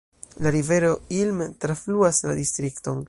La rivero Ilm trafluas la distrikton.